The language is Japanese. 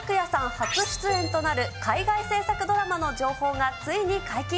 初出演となる海外制作ドラマの情報がついに解禁。